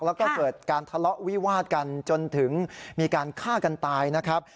แล้วก็เกิดการทะเลาะวิวาดกันจนถึงมีการฆ่ากันตายนะครับ